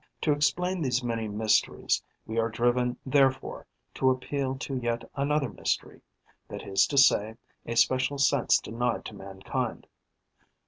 To explain these many mysteries, we are driven therefore to appeal to yet another mystery, that is to say, a special sense denied to mankind.